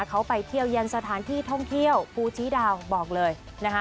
เขาไปเที่ยวยังสถานที่ท่องเที่ยวภูชีดาวบอกเลยนะคะ